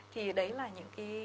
thì đấy là những cái